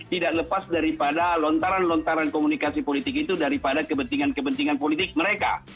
tidak lepas daripada lontaran lontaran komunikasi politik itu daripada kepentingan kepentingan politik mereka